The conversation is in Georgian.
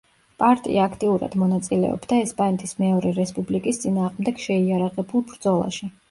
პარტია აქტიურად მონაწილეობდა ესპანეთის მეორე რესპუბლიკის წინააღმდეგ შეიარაღებულ ბრძოლაში.